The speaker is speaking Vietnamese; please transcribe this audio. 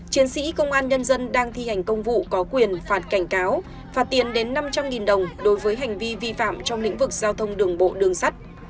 chiến sĩ công an nhân dân đang thi hành công vụ có quyền phạt cảnh cáo phạt tiền đến năm trăm linh đồng đối với hành vi vi phạm trong lĩnh vực giao thông đường bộ đường sắt